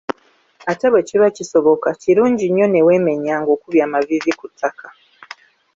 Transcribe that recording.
Ate bwe kiba kisoboka, kirungi nnyo ne weemenya ng'okubye amaviivi ku ttaka.